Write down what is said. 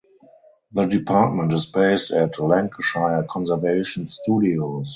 The department is based at Lancashire Conservation Studios.